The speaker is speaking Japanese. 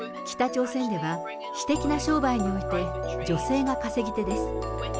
北朝鮮では、私的な商売において、女性が稼ぎ手です。